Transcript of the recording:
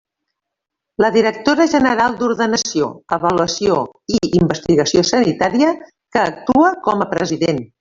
La directora general d'Ordenació, Avaluació i Investigació Sanitària, que actua com a president.